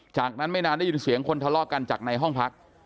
จากนั้นไม่นานได้ยินเสียงคนทะเลาะกันจากในห้องพัก